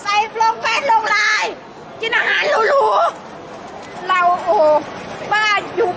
อาหรับเชี่ยวจามันไม่มีควรหยุด